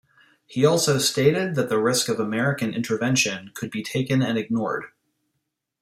He also stated that the risk of American intervention could be taken and ignored.